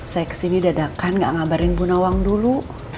saya kesini dadakan gak ngabarin bu nawang dulu